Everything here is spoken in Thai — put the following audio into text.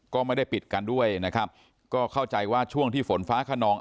ก็ไม่ได้ปิดกันด้วยนะครับก็เข้าใจว่าช่วงที่ฝนฟ้าขนอง